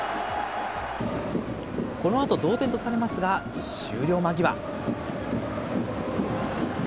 このあと、同点とされますが、終了間際。